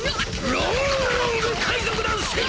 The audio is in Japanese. ロングロング海賊団船長！